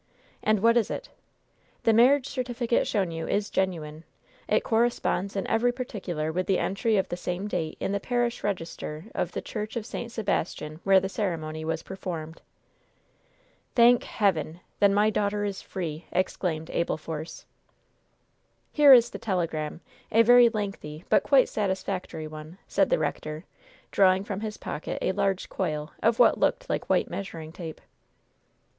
"And what is it?" "The marriage certificate shown you is genuine. It corresponds in every particular with the entry of the same date in the parish register of the church of St. Sebastian where the ceremony was performed." "Thank Heaven! then my daughter is free!" exclaimed Abel Force. "Here is the telegram a very lengthy but quite satisfactory one," said the rector, drawing from his pocket a large coil of what looked like white measuring tape.